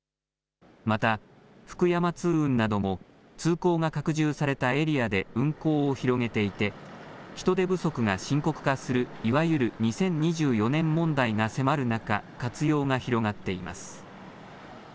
また福山通運なども通行が拡充されたエリアで運行を広げていて人手不足が深刻化するいわゆる２０２４年問題が迫る中、活用が広がっています。